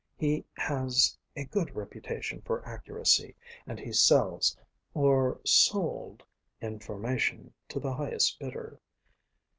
He has a good reputation for accuracy, and he sells or sold information to the highest bidder.